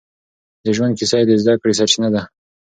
د ژوند کيسه يې د زده کړې سرچينه ده.